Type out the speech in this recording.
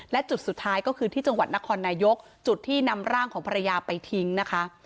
และจุดสุดท้ายก็คือที่จังหวัดนครนายกจุดที่นำร่างของภรรยาไปทิ้งนะคะ